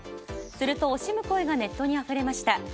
すると惜しむ声がネットにあふれました。